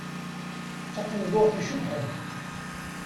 D taqenduṛt icebḥen.